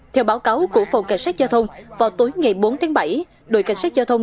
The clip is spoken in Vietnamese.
theo báo cáo của phòng cảnh sát giao thông vào tối ngày bốn tháng bảy đội cảnh sát giao thông